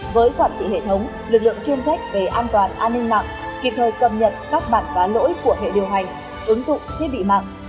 với quản trị hệ thống lực lượng chuyên trách về an toàn an ninh mạng kịp thời cập nhật các bản vá lỗi của hệ điều hành ứng dụng thiết bị mạng